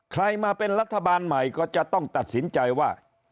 ใครมาเป็นรัฐบาลใหม่ก็จะต้องตัดสินใจว่า